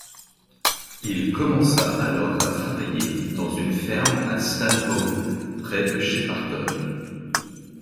Il commença alors à travailler dans une ferme à Stanhope, près de Shepparton.